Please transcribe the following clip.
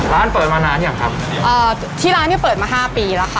ร้านเปิดมานานอย่างครับที่ร้านเนี่ยเปิดมา๕ปีแล้วค่ะ